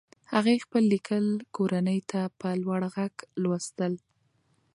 هغې خپل لیکل کورنۍ ته په لوړ غږ لوستل.